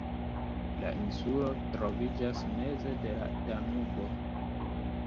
La insulo troviĝas meze de la Danubo.